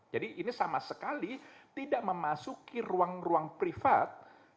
jadi ini sama sekali tidak memasuki ruang ruang privat